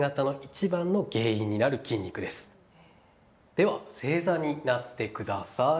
では正座になってください。